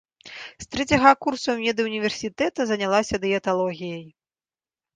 З трэцяга курсу медуніверсітэта занялася дыеталогіяй.